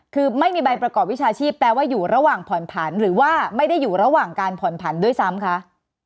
คือไม่มีใบประกอบวิชาชีพแปลว่าอยู่ระหว่างผ่อนผันหรือว่าไม่ได้อยู่ระหว่างการผ่อนผันด้วยซ้ำคะ